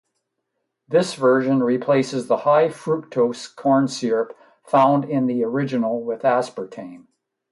This version replaces the high fructose corn syrup found in the original with aspartame.